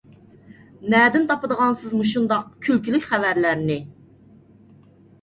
نەدىن تاپىدىغانسىز مۇشۇنداق كۈلكىلىك خەۋەرلەرنى؟